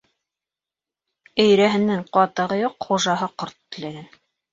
Өйрәһенең ҡатығы юҡ, хужаһы ҡорт теләгән.